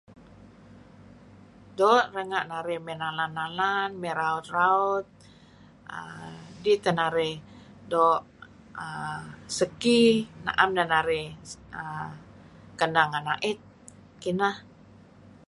Doo' renga' narih may nalan-nalan may raut-raut dih teh narih doo' segki naem neh narih naem keneh ngen ait kineh.